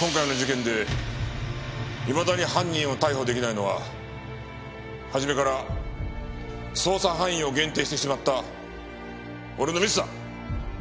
今回の事件でいまだに犯人を逮捕できないのは初めから捜査範囲を限定してしまった俺のミスだ。